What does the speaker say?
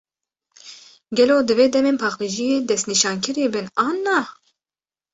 Gelo, divê demên paqijiyê destnîşankirî bin, an na?